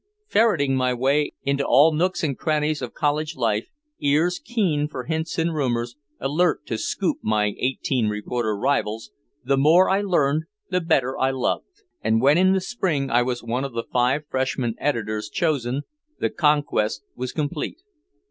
Ferreting my way into all nooks and crannies of college life, ears keen for hints and rumors, alert to "scoop" my eighteen reporter rivals the more I learned the better I loved. And when in the Spring I was one of the five freshman editors chosen, the conquest was complete.